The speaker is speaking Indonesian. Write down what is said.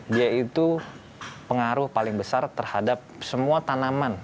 dia itu pengaruh paling besar terhadap semua tanaman